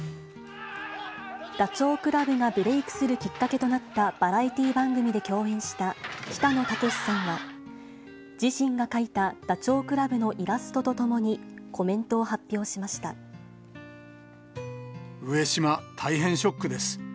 ダチョウ倶楽部がブレークするきっかけとなったバラエティー番組で共演した北野武さんは、自身が描いたダチョウ倶楽部のイラストとともにコメントを発表し上島、大変ショックです。